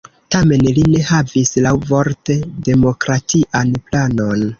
Tamen li ne havis laŭvorte demokratian planon.